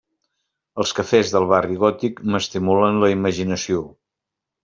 Els cafès del Barri Gòtic m'estimulen la imaginació.